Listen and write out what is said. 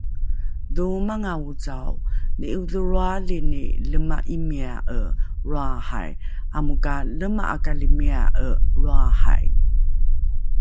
Dhoomanga ocao ni'idholroalini lema'imiya'e lroahai, amo ka lema'akalimiya'e lroahai!